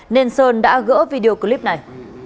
nên sơn đã gỡ video clip này